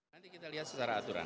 nanti kita lihat secara aturan